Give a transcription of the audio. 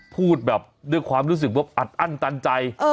พูดด้วยความรู้สึกอัดอั้นตันใจ